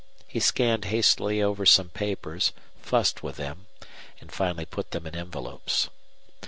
He scanned hastily over some papers, fussed with them, and finally put them in envelopes.